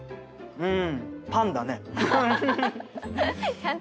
うん！